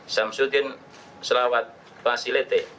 syam sudin selawat fasilite